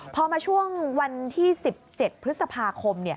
พอมาช่วงวันที่๑๗พฤษภาคม